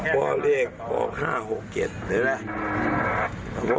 พอเรียกว่า๕๖๗ถูกหรือไม่รู้